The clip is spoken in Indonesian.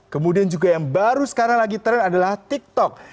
kemudian juga yang baru sekarang lagi tren adalah tiktok